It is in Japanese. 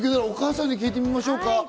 お母さんに聞いてみましょうか。